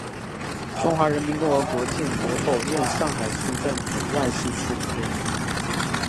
中华人民共和国建国后任上海市政府外事处科员。